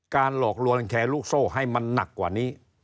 หลอกลวงแชร์ลูกโซ่ให้มันหนักกว่านี้